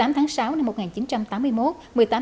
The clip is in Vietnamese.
một mươi tháng sáu năm một nghìn chín trăm tám mươi một